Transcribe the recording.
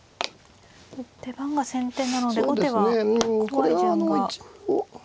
手番が先手なので後手は怖い順が。